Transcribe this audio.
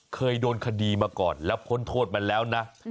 เคยโดนคดีมาก่อนแล้วพ้นโทษมาแล้วนะ